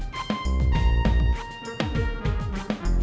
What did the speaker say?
kamu gak capek marah terus